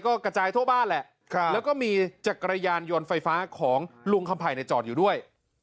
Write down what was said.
ก็กระจายทั่วบ้านแหละแล้วก็มีจักรยานยนต์ไฟฟ้าของลุงคำไผ่ในจอดอยู่ด้วย